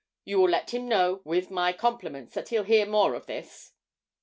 You will let him know, with my compliments, that he'll hear more of this.'